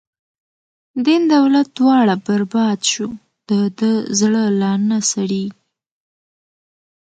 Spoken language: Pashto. دین دولت دواړه برباد شو، د ده زړه لانه سړیږی